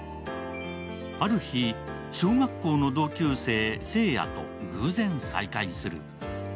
ある日、小学校の同級生、聖也と偶然再会する。